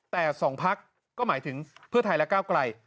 แต่๒พักก็หมายถึงเพื่อไทยและก้าวไกล